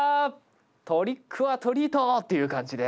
トリック・オア・トリートっていう感じで。